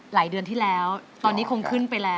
เดือนที่แล้วตอนนี้คงขึ้นไปแล้ว